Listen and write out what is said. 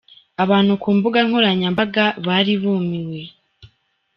Abantu ku mbuga nkoranyambaga bari bumiwe.